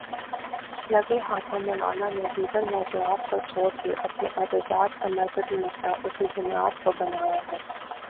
لگے ہاتھوں مولانا نے دیگر موضوعات کو چھوڑ کے اپنے احتجاج کا مرکزی نکتہ اسی بنیاد کو بنایا ہے۔